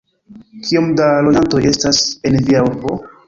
Kiom da loĝantoj estas en via urbo?